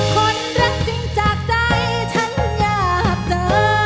คนรักจริงจากใจฉันอยากเจอ